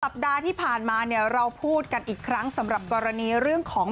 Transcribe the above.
สัปดาห์ที่ผ่านมาเนี่ยเราพูดกันอีกครั้งสำหรับกรณีเรื่องของ